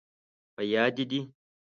په یاد، دې دي؟